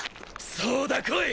そうだ来い！